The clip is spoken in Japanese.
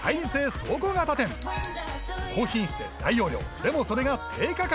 高品質で大容量でもそれが低価格